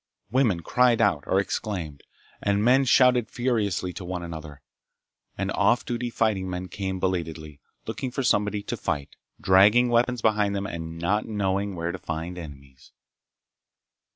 Women cried out or exclaimed, and men shouted furiously to one another, and off duty fighting men came belatedly looking for somebody to fight, dragging weapons behind them and not knowing where to find enemies.